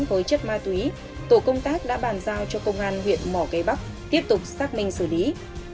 với chất ma túy tổ công tác đã bàn giao cho công an huyện mỏ cây bắc tiếp tục xác minh xử lý